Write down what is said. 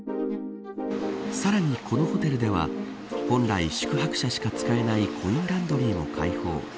さらに、このホテルでは本来、宿泊者しか使えないコインランドリーも開放。